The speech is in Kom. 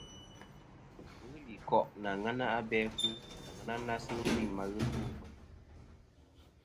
Ghɨ li koʼ nɨ aŋena abe afu, aŋena na sɨ ghɨ lvɨyn ma ghɨ to meyn.